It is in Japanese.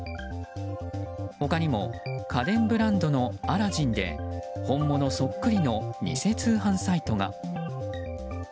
他にも家電ブランドのアラジンで本物そっくりの偽通販サイトが。